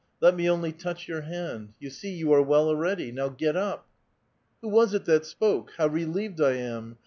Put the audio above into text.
Let me only touch your hand ; you see you are well already ; now get up!" " Who was it that spoke? How relieved I am